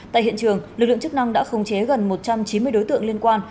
tại hiện trường lực lượng chức năng đã khống chế gần một trăm chín mươi đối tượng liên quan